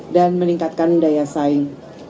dan meningkatkan daya saing